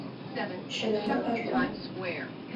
Щэламэр ӏэшӏуа?